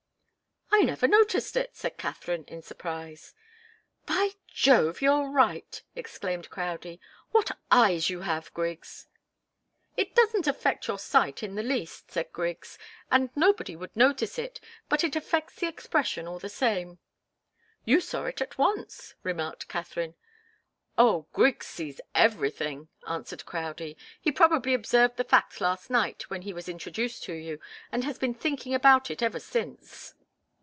"I never noticed it," said Katharine in surprise. "By Jove you're right!" exclaimed Crowdie. "What eyes you have, Griggs!" "It doesn't affect your sight in the least," said Griggs, "and nobody would notice it, but it affects the expression all the same." "You saw it at once," remarked Katharine. "Oh Griggs sees everything," answered Crowdie. "He probably observed the fact last night when he was introduced to you, and has been thinking about it ever since."